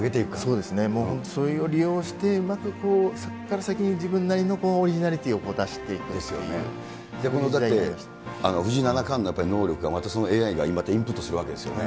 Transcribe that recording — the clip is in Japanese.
そうですね、もう本当、それを利用して、うまく先から先に自分なりのオリジナリティーをだって、藤井七冠の能力がまたＡＩが今、インプットしてるわけですよね。